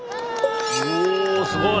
うおすごい。